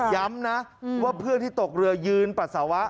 ย้ำนะว่าเพื่อนที่ตกเรือยืนปัสสาวะ